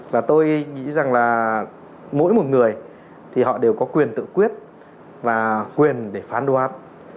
và tôi nghĩ rằng là mỗi một người thì họ đều có quyền tự quyết và quyền để phán đoán